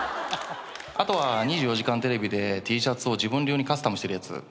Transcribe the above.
あとは『２４時間テレビ』でＴシャツを自分流にカスタムしてるやつ。